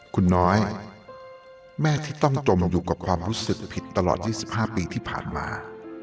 คุณน้อยแม่ที่ต้องจมอยู่กับความรู้สึกผิดตลอด๒๕ปีที่ผ่านมา